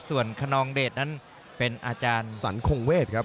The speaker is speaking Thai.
ส่วนคนนองเดชนั้นเป็นอาจารย์สรรคงเวทครับ